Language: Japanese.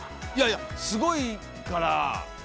いやいやすごいから。